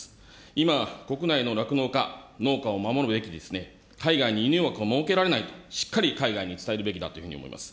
今、国内の酪農家、農家を守るべき、海外に輸入枠を設けられないと、しっかり海外に伝えるべきだというふうに思います。